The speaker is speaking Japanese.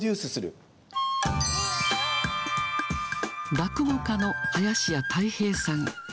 落語家の林家たい平さん。